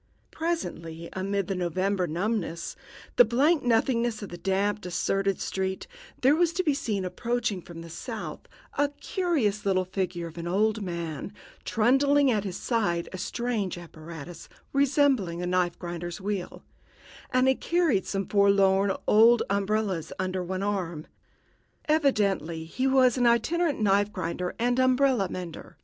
Presently, amid all the November numbness, the blank nothingness of the damp, deserted street, there was to be seen approaching from the south a curious little figure of an old man, trundling at his side a strange apparatus resembling a knife grinder's wheel, and he carried some forlorn old umbrellas under one arm. Evidently he was an itinerant knife grinder and umbrella mender.